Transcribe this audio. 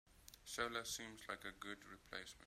Solar seems like a good replacement.